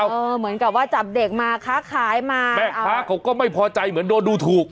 เหมือนกับว่าจับเด็กมาค้าขายมาแม่ค้าเขาก็ไม่พอใจเหมือนโดนดูถูก